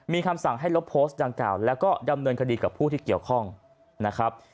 มีคำสั่งให้ลบโพสต์ดังกล่าวแล้วก็ดำเนินคดีกับผู้ที่เกี่ยวข้องนะครับ